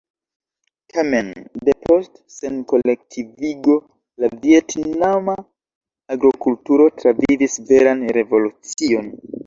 Tamen, depost senkolektivigo, la vjetnama agrokulturo travivis veran revolucion.